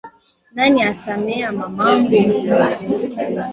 Nani asameha mamangu?